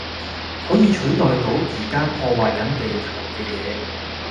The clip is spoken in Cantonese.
可以取代到而家破壞緊地球嘅嘢